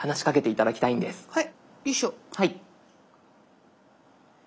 はい。